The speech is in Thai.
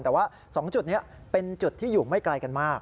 แต่ว่า๒จุดนี้เป็นจุดที่อยู่ไม่ไกลกันมาก